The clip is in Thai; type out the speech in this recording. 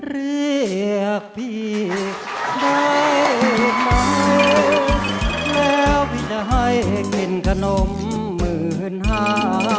เรียกพี่ได้ไหมแล้วพี่จะให้กินขนมหมื่นห้า